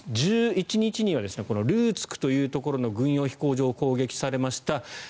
１１日にはルーツクというところの軍用飛行場が攻撃されました。